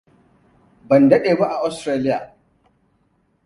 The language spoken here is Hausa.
Ban dade ba a Ostiraliya.